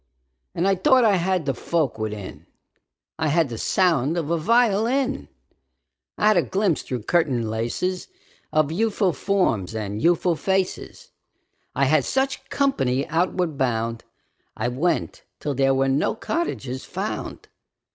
And I thought I had the folk within: I had the sound of a violin; I had a glimpse through curtain laces Of youthful forms and youthful faces. I had such company outward bound. I went till there were no cottages found.